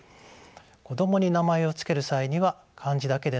子供に名前を付ける際には漢字だけでなく平仮名